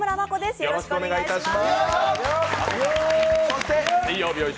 よろしくお願いします。